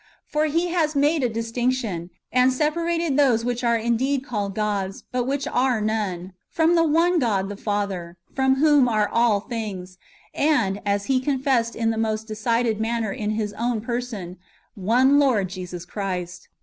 "^ For he has made a distinction, and separated those which are indeed called gods, but which are none, from the one God the Father, from wdiom are all things, and, he has confessed in the most decided manner in his own person, one Lord Jesus Christ.